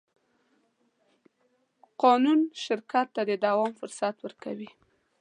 قانون شرکت ته د دوام فرصت ورکوي.